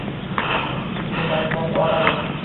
Podshoh dili lazzat oladi.